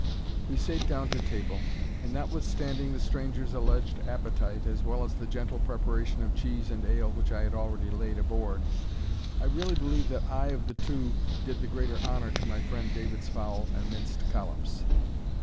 We sate down to table, and notwithstanding the stranger's alleged appetite, as well as the gentle preparation of cheese and ale which I had already laid aboard, I really believe that I of the two did the greater honour to my friend David's fowl and minced collops.